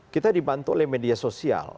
kita dibantu oleh media sosial